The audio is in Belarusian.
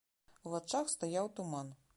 У вачах стаяў туман.